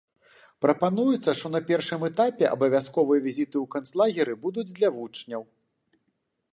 Прапануецца, што на першым этапе абавязковыя візіты ў канцлагеры будуць для вучняў.